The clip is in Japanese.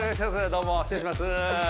どうも失礼します